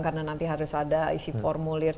karena nanti harus ada isi formulir